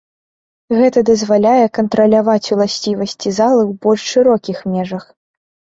Гэта дазваляе кантраляваць уласцівасці залы ў больш шырокіх межах.